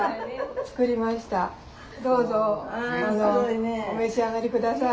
どうぞお召し上がり下さい。